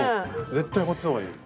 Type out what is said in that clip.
絶対こっちの方がいい。